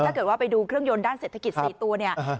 ถ้าเกิดว่าไปดูเครื่องยนต์ด้านเศรษฐกิจ๔ตัวเนี่ย